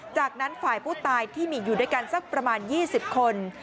จากนั้นฝ่ายผู้ตายที่มีอยู่ด้วยกันสักประมาณ๒๐คน